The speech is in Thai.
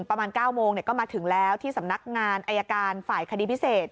ประมาณ๙โมงก็มาถึงแล้วที่สำนักงานอายการฝ่ายคดีพิเศษ